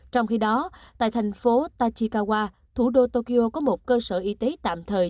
trong khi đó tại thành phố tachikawa thủ đô tokyo có một cơ sở y tế tạm thời